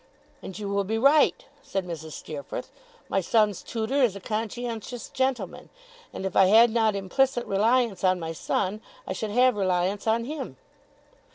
'And you will be right,' said Mrs. Steerforth. 'My son's tutor is a conscientious gentleman; and if I had not implicit reliance on my son, I should have reliance on him.